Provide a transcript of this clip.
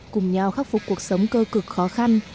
cùng nhau khắc phục cuộc sống cơ cực khó khăn